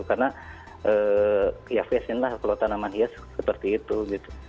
karena ya fashion lah kalau tanaman hias seperti itu gitu